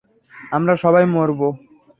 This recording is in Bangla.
আমরা সবাই মরব!